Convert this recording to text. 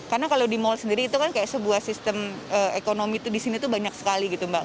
karena kalau di mal sendiri itu kan kayak sebuah sistem ekonomi disini banyak sekali gitu mbak